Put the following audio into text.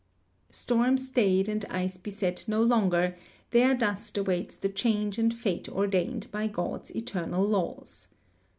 Storm stayed and ice beset no longer, their dust awaits the change and fate ordained by God's eternal laws.